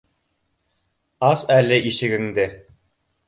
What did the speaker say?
Ас әле ишегеңде.